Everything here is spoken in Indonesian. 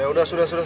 ya udah sudah sudah